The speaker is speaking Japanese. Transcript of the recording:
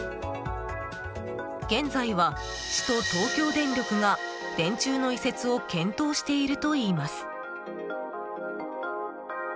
現在は、市と東京電力が電柱の移設を検討しているといいます。